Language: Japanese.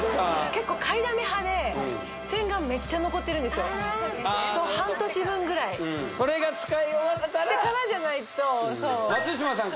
結構買いだめ派で洗顔めっちゃ残ってるんですよ半年分ぐらいそれが使い終わったらからじゃないとそう松嶋さん